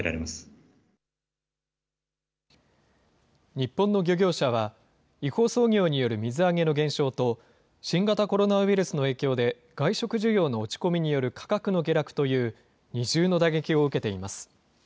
日本の漁業者は、違法操業による水揚げの減少と、新型コロナウイルスの影響で、外食需要の落ち込みによる価格の下落という、二重の打撃を受けています。